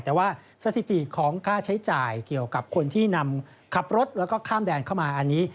แต่ว่าสถิติของค่าใช้จ่ายเกี่ยวกับคนที่นำขับรถแล้วก็ข้ามแดนเข้ามาอันนี้